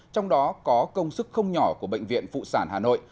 trong đó có công sức không nhỏ của bệnh viện phụ sản hà nội